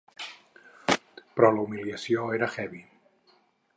Però la humiliació era heavy.